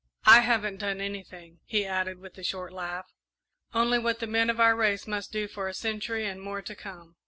I haven't done anything," he added, with a short laugh, "only what the men of our race must do for a century and more to come."